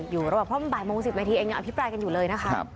อยู่ระบบพระมินบาด๒๐๕๐จนพิพลายกันอยู่เลย